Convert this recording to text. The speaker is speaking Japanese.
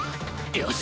よし！